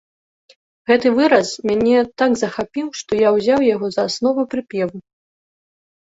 Гэты выраз мяне так захапіў, што я ўзяў яго за аснову прыпеву.